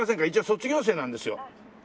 一応卒業生なんですよ。